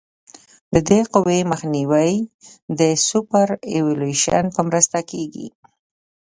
د دې قوې مخنیوی د سوپرایلیویشن په مرسته کیږي